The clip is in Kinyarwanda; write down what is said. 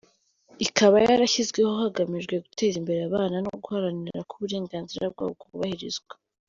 Ikaba yarashyizweho hagamijwe guteza imbere abana no guharanira ko uburenganzira bwabo bwubahirizwa.